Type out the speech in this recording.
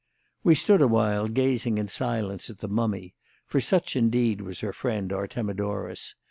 We stood awhile gazing in silence at the mummy for such, indeed, was her friend Artemidorus.